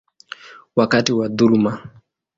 wakati wa dhuluma.